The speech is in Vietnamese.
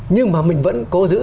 nhưng mà mình vẫn cố giữ